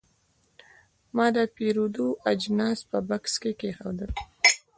ما د پیرود اجناس په بکس کې کېښودل.